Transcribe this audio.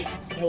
ini buat saya